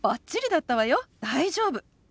大丈夫。